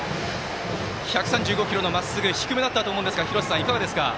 １３５キロのまっすぐ低めだったと思うんですが廣瀬さん、いかがですか？